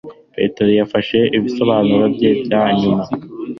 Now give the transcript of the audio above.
Petero yafashe ibisobanuro bye bya nyuma